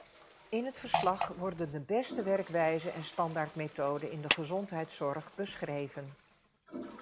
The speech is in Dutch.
In het verslag worden de beste werkwijze en standaardmethoden in de gezondheidszorg beschreven.